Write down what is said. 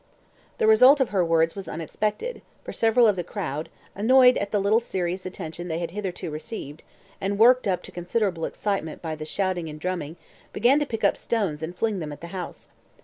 The result of her words was unexpected; for several of the crowd, annoyed at the little serious attention they had hitherto received, and worked up to considerable excitement, by the shouting and drumming began to pick up stones and fling them at the house.